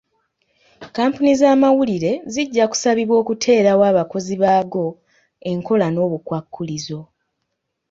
kkampuni z'amawulire zijja kusabibwa okuteerawo abakozi baago enkola n'obukwakkulizo.